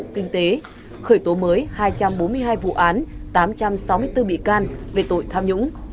kinh tế khởi tố mới hai trăm bốn mươi hai vụ án tám trăm sáu mươi bốn bị can về tội tham nhũng